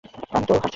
আমি তো হাসছিলাম।